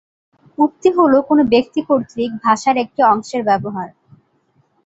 উক্তি হল কোন ব্যক্তি কর্তৃক ভাষার একটি অংশের ব্যবহার।